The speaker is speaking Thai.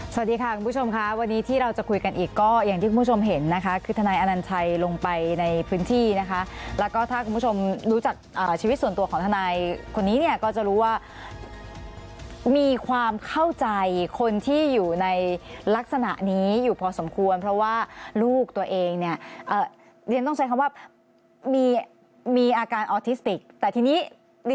สวัสดีค่ะคุณผู้ชมค่ะวันนี้ที่เราจะคุยกันอีกก็อย่างที่คุณผู้ชมเห็นนะคะคือทนายอนัญชัยลงไปในพื้นที่นะคะแล้วก็ถ้าคุณผู้ชมรู้จักชีวิตส่วนตัวของทนายคนนี้เนี่ยก็จะรู้ว่ามีความเข้าใจคนที่อยู่ในลักษณะนี้อยู่พอสมควรเพราะว่าลูกตัวเองเนี่ยเรียนต้องใช้คำว่ามีอาการออทิสติกแต่ทีนี้